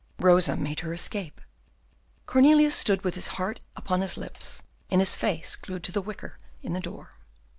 Rosa made her escape. Cornelius stood with his heart upon his lips, and his face glued to the wicket in the door.